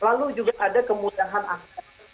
lalu juga ada kemudahan angka